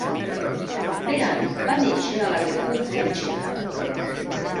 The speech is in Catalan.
Beran va néixer a la República Txeca.